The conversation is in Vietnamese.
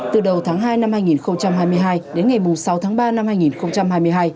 từ đầu tháng hai năm hai nghìn hai mươi hai đến ngày sáu tháng ba năm hai nghìn hai mươi hai